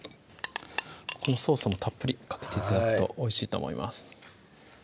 このソースもたっぷりかけて頂くとおいしいと思います